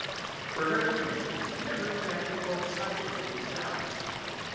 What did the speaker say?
For her admissions never exactly coincided with his doubts.